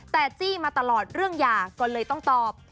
แต่จี้มาตลอดเรื่องหย่าก็เลยต้องตอบ